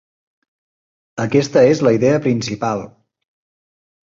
Aquesta és la idea principal.